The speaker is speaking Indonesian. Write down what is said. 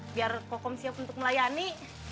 biar kokom siap untuk melayani